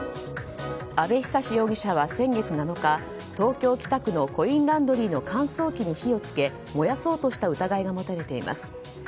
阿部央容疑者は先月７日東京・北区のコインランドリーの乾燥機に火をつけ、燃やそうとした疑いが持たれています。